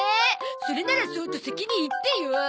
それならそうと先に言ってよ！